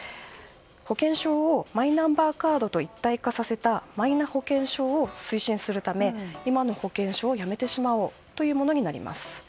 保険証をマイナンバーカードと一体化させたマイナ保険証を推進するため今の保険証をやめてしまおうというものになります。